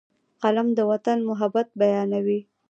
قلم د وطن محبت بیانوي